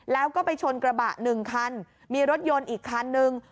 แล้วก็ไปชนกระบะหนึ่งคันมีรถยนต์อีกคันนึง